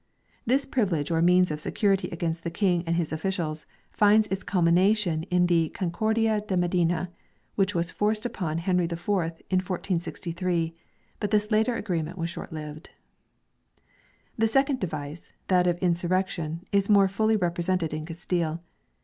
This privilege or means of security against the King and his officials finds its culmination in the " Concordia de Medina," which was forced upon Henry IV in 1463 : but this latter agreement was short lived. The second device, that of insurrection, is more fully represented in Castile.